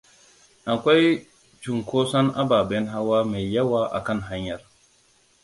Akwai cunkoson ababen hawa mai yawa a kan hanyar.